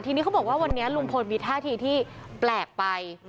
ทีนี้เขาบอกว่าวันนี้ลุงพลมีท่าทีที่แปลกไป